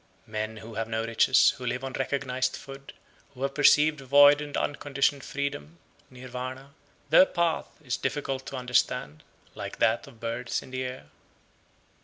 92. Men who have no riches, who live on recognised food, who have perceived void and unconditioned freedom (Nirvana), their path is difficult to understand, like that of birds in the air.